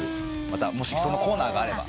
もしそのコーナーがあれば。